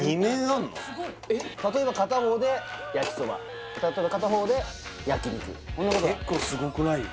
例えば片方で焼きそば例えば片方で焼肉結構すごくない？